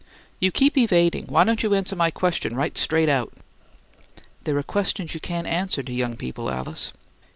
"You keep evading. Why don't you answer my question right straight out?" "There are questions you can't answer to young people, Alice."